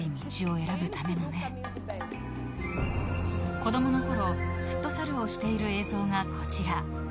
子供の頃フットサルをしている映像がこちら。